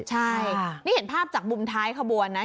ใช่นี่เห็นภาพจากมุมท้ายขบวนนะ